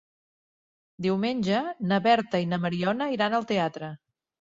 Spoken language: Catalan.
Diumenge na Berta i na Mariona iran al teatre.